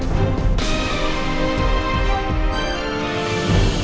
baik kita akan berjalan